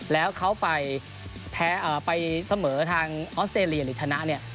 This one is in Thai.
แล้วเขาไปเสมอทางออสเตรเลียหรือชนะเนี่ย